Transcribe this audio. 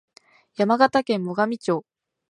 山形県最上町